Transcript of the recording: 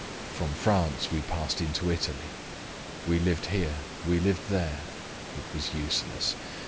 From France we passed into Italy. We lived here; we lived there. It was useless.